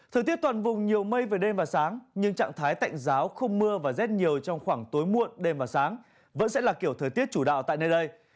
thời tiết toàn vùng nhiều mây về đêm và sáng nhưng trạng thái tạnh giáo không mưa và rét nhiều trong khoảng tối muộn đêm và sáng vẫn sẽ là kiểu thời tiết chủ đạo tại nơi đây